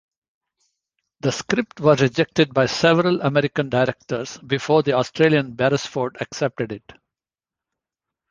The script was rejected by several American directors before the Australian Beresford accepted it.